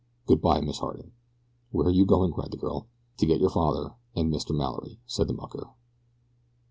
Good bye, Miss Harding." "Where are you going?" cried the girl. "To get your father and Mr. Mallory," said the mucker.